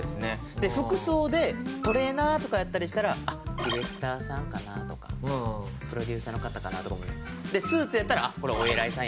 で服装でトレーナーとかやったりしたらディレクターさんかなとかプロデューサーの方かなとか。でスーツやったらこれお偉いさん